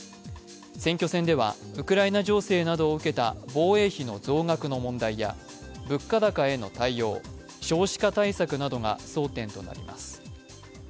選挙戦では、ウクライナ情勢などを受けた防衛費の増額の問題や物価高への対応、少子化対策などが争点となります。